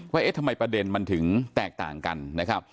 เอ๊ะทำไมประเด็นมันถึงแตกต่างกันนะครับ